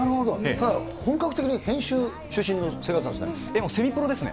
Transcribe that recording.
ただ、本格的に編集中心な生活なんですね。